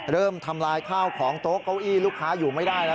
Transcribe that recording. ทำลายข้าวของโต๊ะเก้าอี้ลูกค้าอยู่ไม่ได้แล้ว